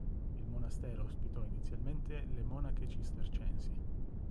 Il monastero ospitò inizialmente le Monache Cistercensi.